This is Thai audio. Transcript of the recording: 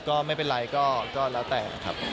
ก็ไม่เป็นไรก็แล้วแต่นะครับ